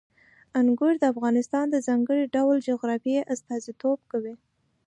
انګور د افغانستان د ځانګړي ډول جغرافیې استازیتوب کوي.